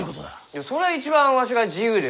いやそれは一番わしが自由ですき！